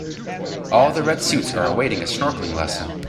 All the red suits are awaiting a snorkeling lesson.